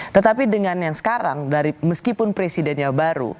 tetapi dengan yang sekarang meskipun presidennya baru